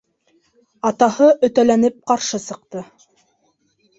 Атаһы өтәләнеп ҡаршы сыҡты.